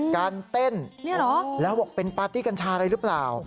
การเต้นแล้วบอกเป็นปาร์ตี้กัญชาอะไรหรือเปล่า